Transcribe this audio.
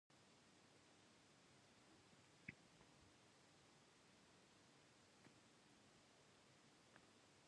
As photocopying took the world by storm, so did Rank's profits.